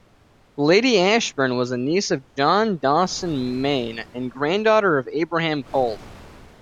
Lady Ashbourne was a niece of John Dawson Mayne and granddaughter of Abraham Colles.